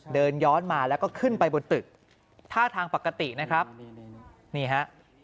เดินย้อนมาแล้วก็ขึ้นไปบนตึกท่าทางปกตินะครับนี่ฮะ